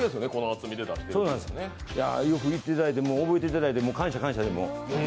よくいっていただいて、覚えていただいて感謝感謝で。